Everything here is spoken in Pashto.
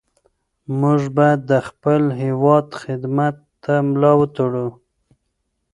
موږ باید د خپل هېواد خدمت ته ملا وتړو.